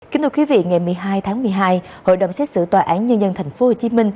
kính thưa quý vị ngày một mươi hai tháng một mươi hai hội đồng xét xử tòa án nhân dân tp hcm